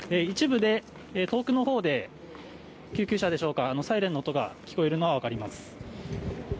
一部で遠くの方で、救急車でしょうかサイレンの音が聞こえるのはわかります。